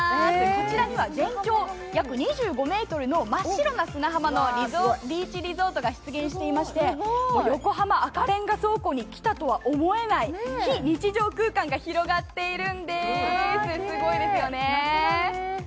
こちらには全長約２５ｍの真っ白な砂浜のビーチリゾートが出現していまして横浜赤レンガ倉庫に来たとは思えない非日常空間が広がっているんです、すごいですよね。